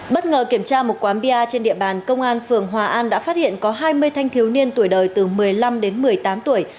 bất ngờ kiểm tra một quán bia trên địa bàn công an phường hòa an đã phát hiện có hai mươi thanh thiếu niên tuổi đời từ một mươi năm đến một mươi tám tuổi